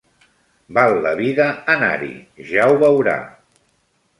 Val la vida anar-hi, ja ho veurà.